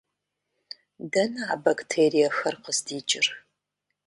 Дэнэ а бактериехэр къыздикӏыр?